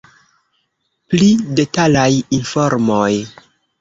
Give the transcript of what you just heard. Pli detalaj informoj.